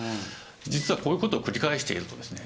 実はこういう事を繰り返しているとですね